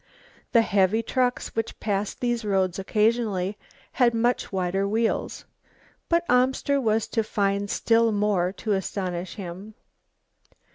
The heavy trucks which passed these roads occasionally had much wider wheels. But Amster was to find still more to astonish him.